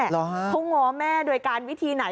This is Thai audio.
เขาง้อแม่โดยการวิธีไหน